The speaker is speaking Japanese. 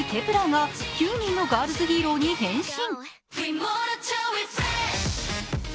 １ｅｒが９人のガールズヒーローに変身。